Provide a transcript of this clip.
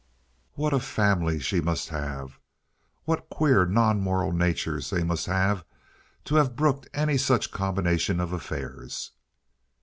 What a family she must have! What queer non moral natures they must have to have brooked any such a combination of affairs!